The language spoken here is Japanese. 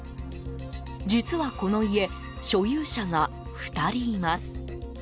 実はこの家所有者が２人います。